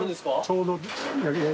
ちょうど。